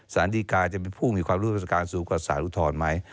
สารดีกาจะเป็นผู้มีความรู้ราชการสูงกว่าสารอุทธรณ์ไหม